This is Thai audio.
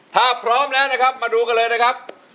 ถ้าพร้อมแล้วนะครับมาดูกันเลยนะครับ